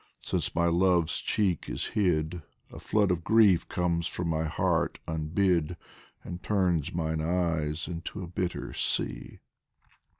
since my Love's cheek is hid, A flood of grief comes from my heart unhid, And turns mine eyes into a bitter sea